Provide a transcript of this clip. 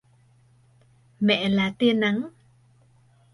Mẹ là tia nắng